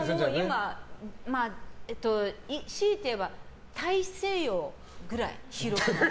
今、しいて言えば大西洋ぐらい広い。